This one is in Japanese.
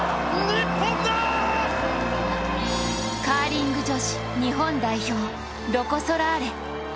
カーリング女子日本代表、ロコ・ソラーレ。